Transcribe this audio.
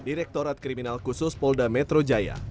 direktorat kriminal khusus polda metro jaya